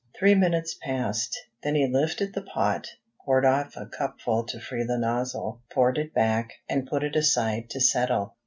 Three minutes passed. Then he lifted the pot, poured off a cupful to free the nozzle, poured it back, and put it aside to settle.